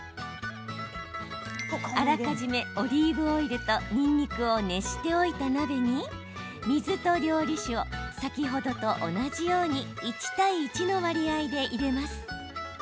あらかじめ、オリーブオイルとにんにくを熱しておいた鍋に水と料理酒を先ほどと同じように１対１の割合で入れます。